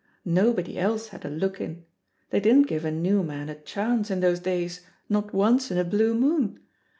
Nobody else had a look in. They didn't give a new man a chance in those days, not once in a blue moon.